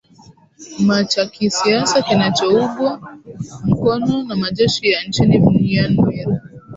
ma cha kisiasa kinachougwa mkono na majeshi ya nchini myanmir